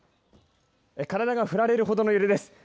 体が振られるほどの揺れです。